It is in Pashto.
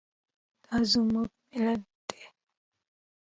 دا زموږ ملت ده